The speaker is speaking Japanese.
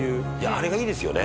「あれがいいですよね」